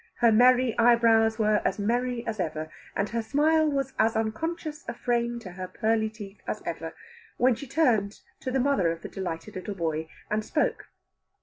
Her merry eyebrows were as merry as ever, and her smile was as unconscious a frame to her pearly teeth as ever, when she turned to the mother of the delighted little boy and spoke.